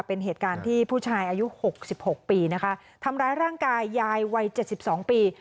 เป็นเหตุการณ์ที่ผู้ชายอายุหกสิบหกปีนะคะทำร้ายร่างกายยายวัยเจ็ดสิบสองปี